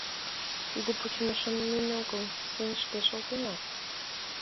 — Тиде пучымышым мин огыл, син шке шолтенат.